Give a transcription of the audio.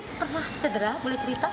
pernah cedera boleh cerita